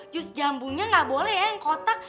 jus jambunya nggak boleh ya yang kotak